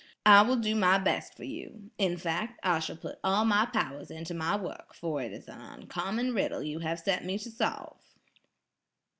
I will do my best for you. In fact, I shall put all my powers into my work, for it is an uncommon riddle you have set me to solve."